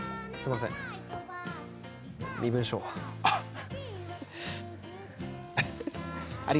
あっ。